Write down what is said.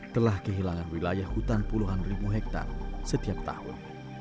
telah kehilangan wilayah hutan puluhan ribu hektare setiap tahun